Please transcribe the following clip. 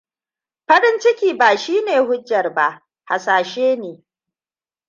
Farin ciki ba shi ne hujjar ba hasashe ne.